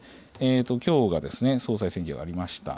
きょうが総裁選挙がありました。